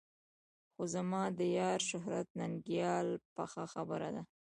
خو زما د یار شهرت ننګیال پخه خبره ده.